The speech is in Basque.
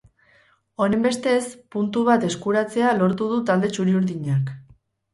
Honenbestez, puntu bat eskuratzea lortu du talde txuri-urdnak.